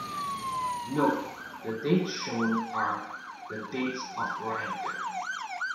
Note - The dates shown are the dates of rank.